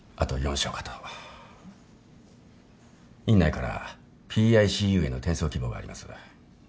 院内からＰＩＣＵへの転送希望があります。